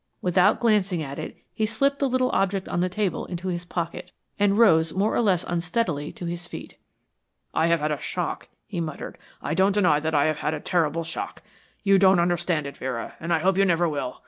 Without glancing at it he slipped the little object on the table into his pocket and rose more or less unsteadily to his feet. "I have had a shock," he muttered. "I don't deny that I have had a terrible shock. You don't understand it, Vera, and I hope you never will.